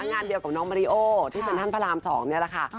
งานเดียวกับน้องมาริโอที่เซ็นทรัลพระราม๒นี่แหละค่ะ